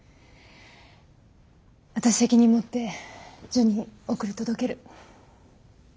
私責任持ってジュニ送り届ける。